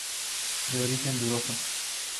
De origen dudoso.